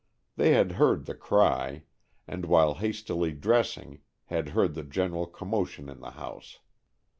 They had heard the cry, and while hastily dressing had heard the general commotion in the house.